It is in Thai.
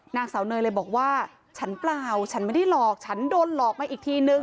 นางสาวเนยเลยบอกว่าฉันเปล่าฉันไม่ได้หลอกฉันโดนหลอกมาอีกทีนึง